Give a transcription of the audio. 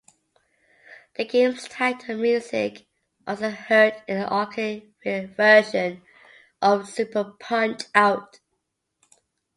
The game's title music, also heard in the arcade version of Super Punch-Out!!